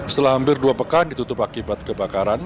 setelah hampir dua pekan ditutup akibat kebakaran